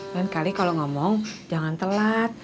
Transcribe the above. dan kali kalau ngomong jangan telat